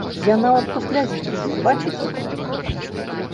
Я нават праслязілася, бачыце?